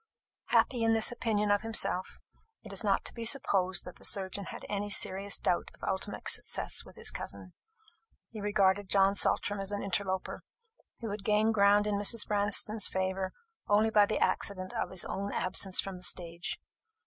Happy in this opinion of himself, it is not to be supposed that the surgeon had any serious doubt of ultimate success with his cousin. He regarded John Saltram as an interloper, who had gained ground in Mrs. Branston's favour only by the accident of his own absence from the stage.